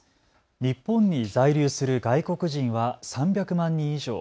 日本に在留する外国人は３００万人以上。